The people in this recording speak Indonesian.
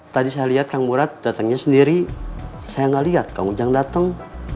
tadi saya lihat kang murad datangnya sendiri saya nggak lihat kang ujang datang